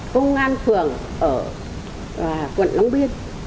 công an phường ở quận long biên